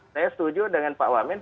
saya setuju dengan pak wamen